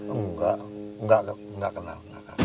enggak enggak kenal